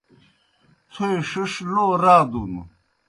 تھوئے ݜِݜ لو رادُن۔